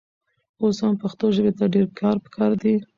اوس هم پښتو ژبې ته ډېر کار پکار دی.